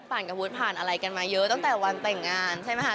กับวุฒิผ่านอะไรกันมาเยอะตั้งแต่วันแต่งงานใช่ไหมคะ